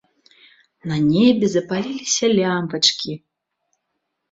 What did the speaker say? На небе запаліліся лямпачкі.